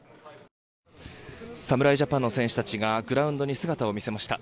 侍ジャパンの選手たちがグラウンドに姿を見せました。